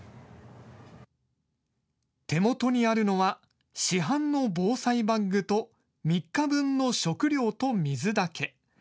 手元にあるのは市販の防災バッグと３日分の食料と水だけ。